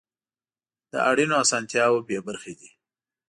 له اړینو اسانتیاوو بې برخې دي.